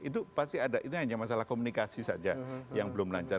itu pasti ada itu hanya masalah komunikasi saja yang belum lancar